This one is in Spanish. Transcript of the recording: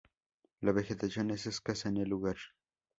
La vegetación es escasa en el lugar.